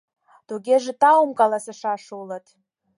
Тугеже таум каласышаш улыт.